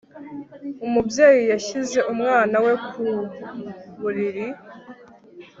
Umubyeyi yashyize umwana we ku buriri